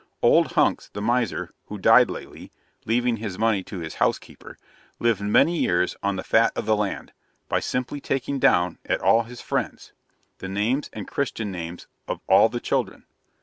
Old Hunks, the miser, who died lately (leaving his money to his housekeeper) lived many years on the fat of the land, by simply taking down, at all his friends', the names and Christian names OF ALL THE CHILDREN.